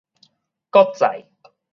閣再